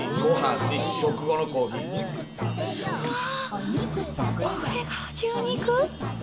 うわこれが牛肉！？